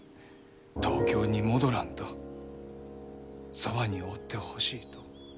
東京に戻らんとそばにおってほしいと。